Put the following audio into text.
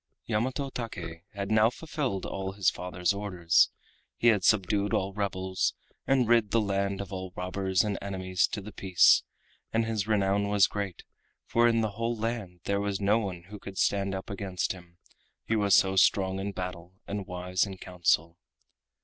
Yamato Take had now fulfilled all his father's orders, he had subdued all rebels, and rid the land of all robbers and enemies to the peace, and his renown was great, for in the whole land there was no one who could stand up against him, he was so strong in battle and wise in council.